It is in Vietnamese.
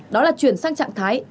đó là chuyển sang trạng thái